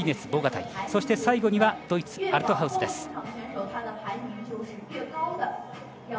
そして最後にはドイツのアルトハウスです。